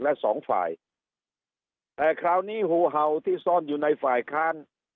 และสองฝ่ายแต่คราวนี้หูเห่าที่ซ่อนอยู่ในฝ่ายค้าน